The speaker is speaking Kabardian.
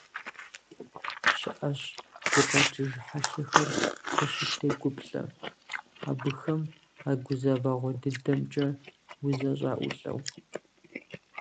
ЩыӀэщ гукъэкӀыж хьэлъэхэр къыщыптегуплӀэ, абыхэм а гузэвэгъуэ дыдэмкӀэ узэщӀаӀулӀэу.